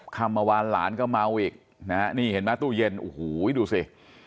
คำเมื่อวานหลานก็เมาอีกนะฮะนี่เห็นไหมตู้เย็นโอ้โหดูสิ